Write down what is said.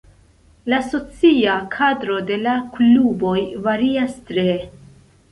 La socia kadro de la kluboj varias tre.